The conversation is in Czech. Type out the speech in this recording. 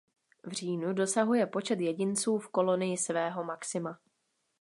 V říjnu dosahuje počet jedinců v kolonii svého maxima.